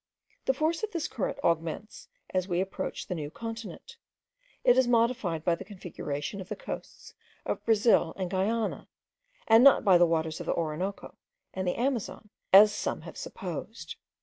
The force of this current augments as we approach the new continent; it is modified by the configuration of the coasts of Brazil and Guiana, and not by the waters of the Orinoco and the Amazon, as some have supposed.